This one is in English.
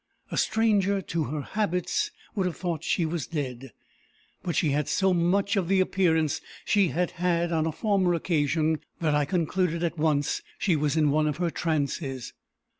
A stranger to her habits would have thought she was dead; but she had so much of the appearance she had had on a former occasion, that I concluded at once she was in one of her trances.